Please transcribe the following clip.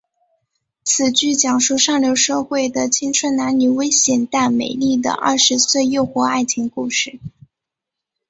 此剧讲述上流社会的青春男女危险但美丽的二十岁诱惑爱情故事。